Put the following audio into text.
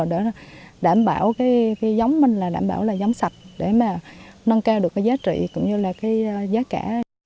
để đảm bảo giống mình là giống sạch để nâng cao được giá trị cũng như giá cả